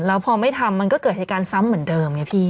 แล้วพอไม่ทำมันก็เกิดเหตุการณ์ซ้ำเหมือนเดิมไงพี่